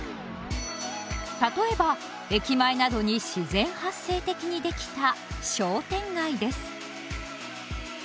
例えば駅前などに自然発生的に出来た商店街です。